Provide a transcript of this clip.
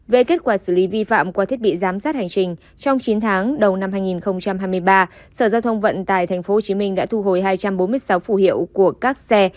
về kết quả xử lý vi phạm qua thiết bị giám sát hành trình trong chín tháng đầu năm hai nghìn hai mươi ba sở giao thông vận tài tp hcm đã thu hồi hai trăm bốn mươi sáu phủ hiệu của các xe